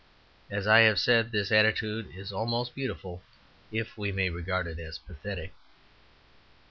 As I have said, this attitude is almost beautiful if we may regard it as pathetic.